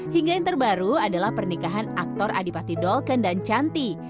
hingga yang terbaru adalah pernikahan aktor adipati dolken dan chanti